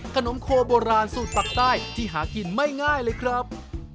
ขนมโคโบราณสูตรปักใต้ที่หากินไม่ง่ายเลยครับ